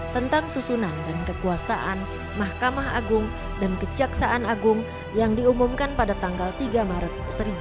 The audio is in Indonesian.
seribu sembilan ratus empat puluh tujuh tentang susunan dan kekuasaan mahkamah agung dan kejaksaan agung yang diumumkan pada tanggal tiga maret